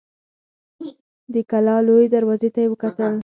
د کلا لويي دروازې ته يې وکتل.